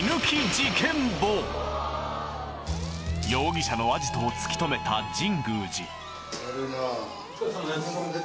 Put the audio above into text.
容疑者のアジトを突き止めた神宮寺お疲れ様です。